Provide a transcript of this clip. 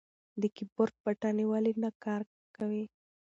د کیبورډ بټنې ولې نه کار کوي؟